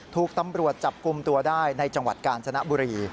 ถูกตำรวจจับกลุ่มตัวได้ในจังหวัดกาญจนบุรี